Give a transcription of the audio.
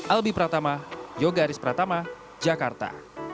albi pratama yogaris pratama jakarta